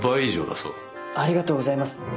ありがとうございます。